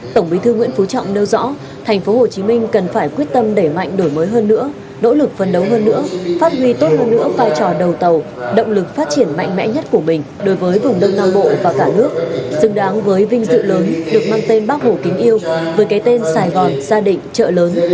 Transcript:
tổng bí thư nguyễn phú trọng nêu rõ thành phố hồ chí minh cần phải quyết tâm để mạnh đổi mới hơn nữa nỗ lực phân đấu hơn nữa phát huy tốt hơn nữa vai trò đầu tàu động lực phát triển mạnh mẽ nhất của mình đối với vùng đông nam bộ và cả nước dương đáng với vinh dự lớn được mang tên bác hồ kính yêu với cái tên sài gòn gia định trợ lớn